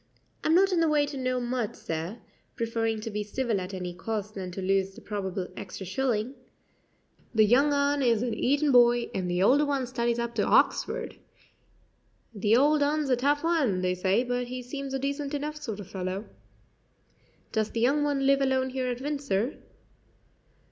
"I'm not in the way to know much, sir" preferring to be civil at any cost than to lose the probable extra shilling "the young un is an Eton boy, and the older one studies up to Hoxford. The old un's a tough un, they say, but he seems a decent enough sort of fellow." "Does the young one live alone here at Windsor?"